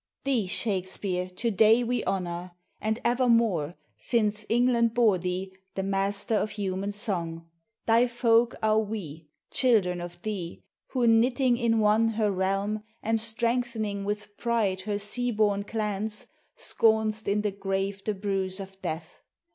Thee SHAKESPEARE to day we honour; and evermore, Since England bore thee, the master of human song, Thy folk are we, children of thee, Who knitting in one her realm And strengthening with pride her sea borne clans, Scorn'st in the grave the bruize of death.